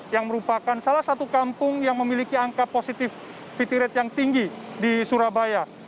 yang merupakan salah satu kampung yang memiliki angka positivity rate yang tinggi di surabaya